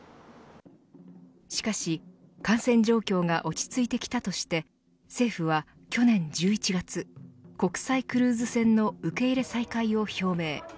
しかし、感染状況が落ち着いてきたとして政府は去年１１月国際クルーズ船の受け入れ再開を表明。